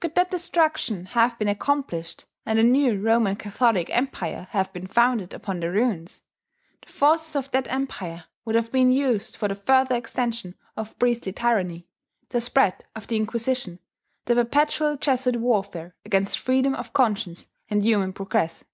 Could that destruction have been accomplished, and a new Roman Catholic empire have been founded upon the ruins, the forces of that empire would have been used for the further extension of priestly tyranny, the spread of the Inquisition, the perpetual Jesuit warfare against freedom of conscience and human progress.